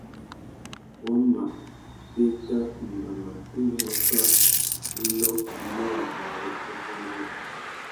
Wa mà bēta mbama indi wa fá winô nà wabari abú nguru.